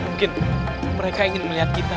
mungkin mereka ingin melihat kita